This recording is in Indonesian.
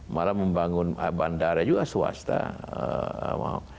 malah membangun bandara juga swasta